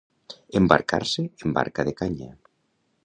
Embarcar-se en barca de canya.